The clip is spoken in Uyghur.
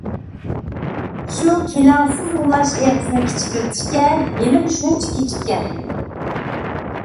شۇ كېلەڭسىز ئۇلاش ئېغىزىنى كىچىكلىتىشكە ھېلىمۇ شۇنچە كىچىككەن.